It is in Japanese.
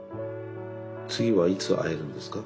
次はいつ会えるんですか？